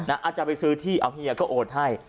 อาจจะไปซื้อที่เอาเฮียก็โอนให้